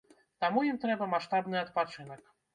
Таму ім трэба маштабны адпачынак.